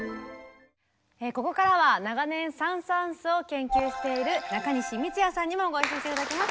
ここからは長年サン・サーンスを研究している中西充弥さんにもご一緒して頂きます。